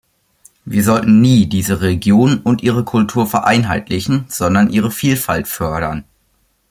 Wir sollten nie diese Regionen und ihre Kultur vereinheitlichen, sondern ihre Vielfalt fördern.